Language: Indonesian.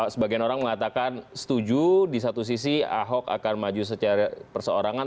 sebagian orang mengatakan setuju di satu sisi ahok akan maju secara perseorangan